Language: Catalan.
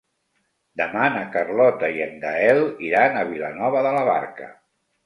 Demà na Carlota i en Gaël iran a Vilanova de la Barca.